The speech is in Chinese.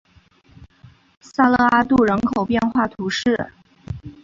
萨勒阿杜人口变化图示